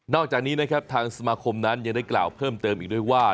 อกจากนี้นะครับทางสมาคมนั้นยังได้กล่าวเพิ่มเติมอีกด้วยว่า